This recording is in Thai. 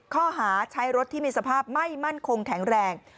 ข้อหาใช้รถที่มีสภาพไม่มั่นคงแข็งแรง